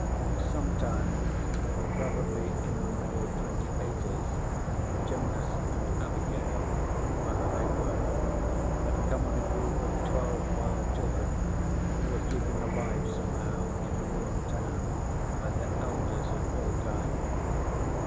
Some time, probably in the middle 2080s, Jonas and Abigail (whoever they were) had come on a group of twelve wild children who were keeping alive somehow in a ruined town where their elders had all died.